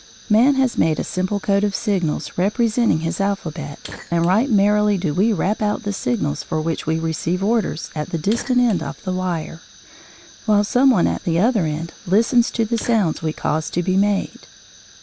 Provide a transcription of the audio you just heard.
Man has made a simple code of signals representing his alphabet, and right merrily do we rap out the signals for which we receive orders at the distant end of the wire, while some one at the other end listens to the sounds we cause to be made.